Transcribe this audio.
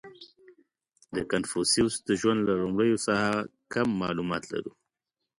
• د کنفوسیوس د ژوند له لومړیو څخه کم معلومات لرو.